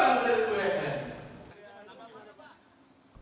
keluar dari pns